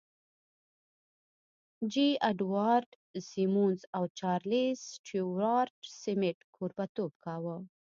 جې اډوارډ سیمونز او چارلیس سټیوارټ سمیت کوربهتوب کاوه